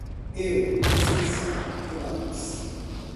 Eu esqueci do lápis.